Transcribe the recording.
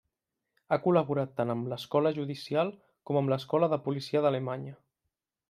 Ha col·laborat tant amb Escola Judicial com amb l'Escola de Policia d'Alemanya.